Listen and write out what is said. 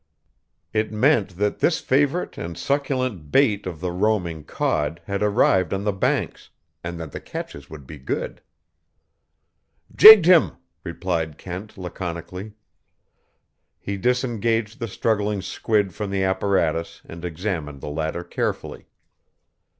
It meant that this favorite and succulent bait of the roaming cod had arrived on the Banks, and that the catches would be good. "Jigged him," replied Kent laconically. He disengaged the struggling squid from the apparatus and examined the latter carefully.